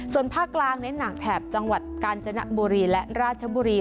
ส่วนภาคกลางเน้นหนักแถบจังหวัดกาญจนบุรีและราชบุรี